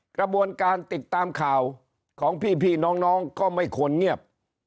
กระบวนการติดตามข่าวของพี่น้องก็ไม่ควรเงียบ